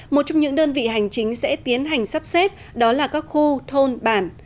một trong những đơn vị hành chính sẽ tiến hành sắp xếp đó là các khu thôn bản